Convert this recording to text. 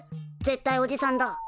絶対おじさんだ。